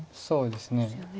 そうですね。